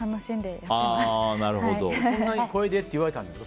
こんな声でって言われたんですか？